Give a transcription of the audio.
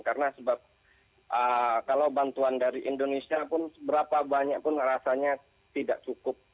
karena sebab kalau bantuan dari indonesia pun berapa banyak pun rasanya tidak cukup